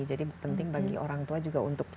jadi penting bagi orang tua juga untuk